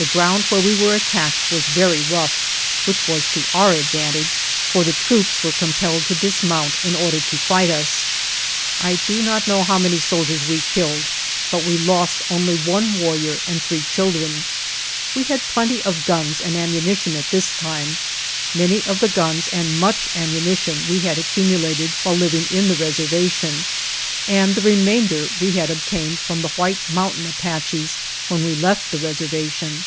The ground where we were attacked was very rough, which was to our advantage, for the troops were compelled to dismount in order to fight us. I do not know how many sol diers we killed, but we lost only one warrior and three children. We had plenty of guns 134 ON THE WARPATH and ammunition at this time. Many of the guns and much ammunition we had accumu lated while living in the reservation, and the remainder we had obtained from the White Mountain Apaches when we left the reser vation.